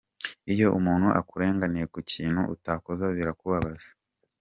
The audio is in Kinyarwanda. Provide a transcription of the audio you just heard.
Iyo umuntu akurenganyije ku kintu utakoze birakubabaza.